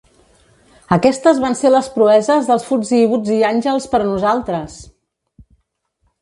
Aquestes van ser les proeses dels "Fuzzy Wuzzy Angels" per a nosaltres!